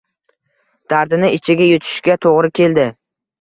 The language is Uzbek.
Dardini ichiga yutishga to’gri keldi.